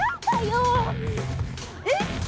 えっ？